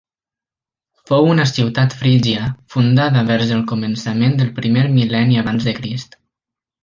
Fou una ciutat frígia fundada vers el començament del primer mil·lenni abans de Crist.